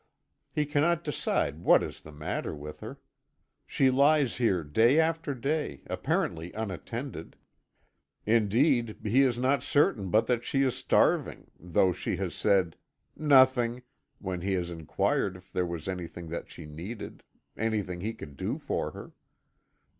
He cannot decide what is the matter with her. She lies here day after day, apparently unattended indeed he is not certain but that she is starving, though she has said, "Nothing," when he has inquired if there was anything that she needed, anything he could do for her.